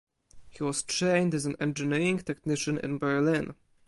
He was trained as an engineering technician in Berlin.